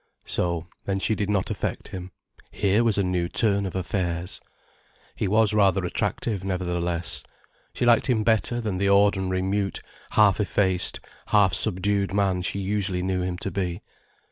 So, then she did not affect him. Here was a new turn of affairs! He was rather attractive, nevertheless. She liked him better than the ordinary mute, half effaced, half subdued man she usually knew him to be.